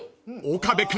［岡部君